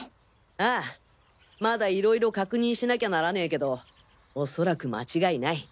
ああまだいろいろ確認しなきゃならねぇけどおそらく間違いない！